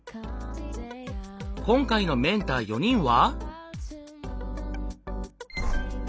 今回のメンター４人は？